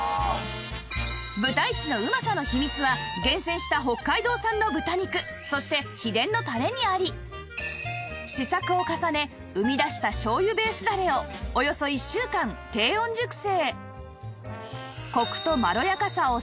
ぶたいちのうまさの秘密は厳選した北海道産の豚肉そして秘伝のタレにあり試作を重ね生み出した醤油ベースダレをおよそ１週間低温熟成